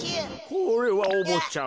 これはおぼっちゃま。